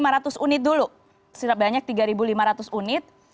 rp tiga lima ratus unit dulu sebanyak rp tiga lima ratus unit